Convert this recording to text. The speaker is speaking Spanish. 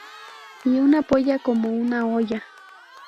¡Y una polla como una olla!